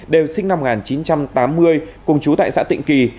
đều sinh năm một nghìn chín trăm tám mươi cùng chú tại xã tịnh kỳ